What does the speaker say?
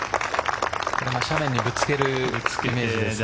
斜面にぶつけるイメージですね。